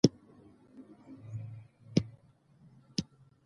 اوښ د افغانانو ژوند په بېلابېلو بڼو اغېزمنوي.